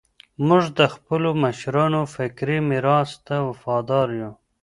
موږ د خپلو مشرانو فکري میراث ته وفادار یو.